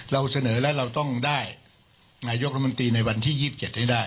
เราเสนอแล้วเราต้องได้นายกรัฐมนตรีในวันที่๒๗ให้ได้